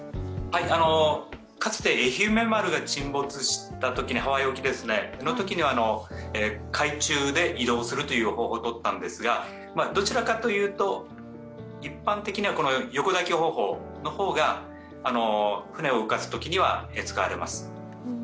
かつて「えひめ丸」が沈没したとき、ハワイ沖のときには海中で移動する方法をとったんですが、どちらかというと、一般的には横抱き方法の方が船を動かすときには使われます。